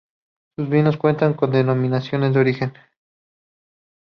Sus vinos cuentan con denominación de origen.